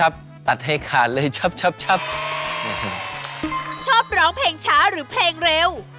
เพลงช้าหรือเพลงเร็ว